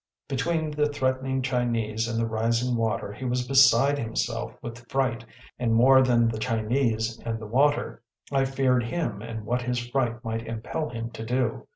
Between the threatening Chinese and the rising water he was beside himself with fright; and, more than the Chinese and the water, I feared him and what his fright might impel him to do.